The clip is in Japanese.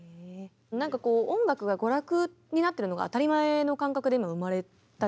なんかこう音楽が娯楽になってるのが当たり前の感覚で生まれたじゃないですか。